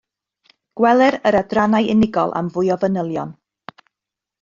Gweler yr adrannau unigol am fwy o fanylion